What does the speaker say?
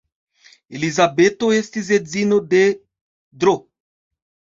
Elizabeto estis edzino de Dro.